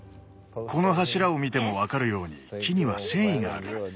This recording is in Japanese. この柱を見てもわかるように木には繊維がある。